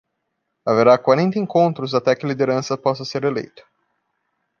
Haverá quarenta encontros até que a liderança possa ser eleita